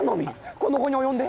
この期に及んで？